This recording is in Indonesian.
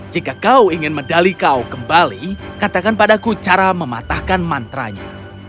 jika kau ingin medali kau kembali katakan padaku cara mematahkan mantranya